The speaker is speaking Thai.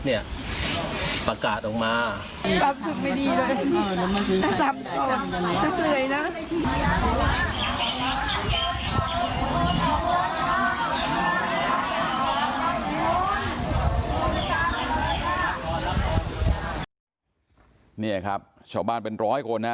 นี่ครับเช้าบ้านเป็น๑๐๐คน